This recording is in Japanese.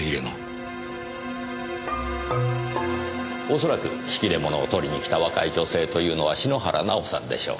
恐らく引き出物を取りに来た若い女性というのは篠原奈緒さんでしょう。